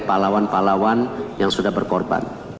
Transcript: palawan palawan yang sudah berkorban